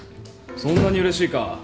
そんなにうれしいか？